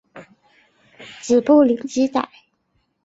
子卜怜吉歹。